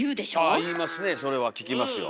あいいますねそれは聞きますよ。